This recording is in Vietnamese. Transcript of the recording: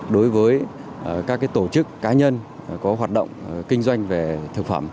đối với các tổ chức cá nhân có hoạt động kinh doanh về thực phẩm